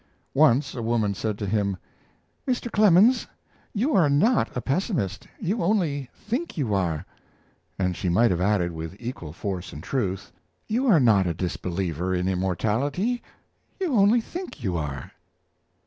Once a woman said to him: "Mr. Clemens, you are not a pessimist, you only think you are." And she might have added, with equal force and truth: "You are not a disbeliever in immortality; you only think you are."